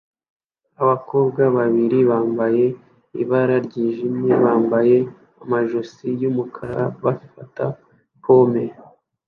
Abakobwa babiri bambaye ibara ryijimye bambaye amajosi yumukara bafata pompe